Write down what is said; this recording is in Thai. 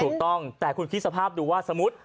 ถูกต้องแต่คุณคิดสภาพดูว่าสมมุติ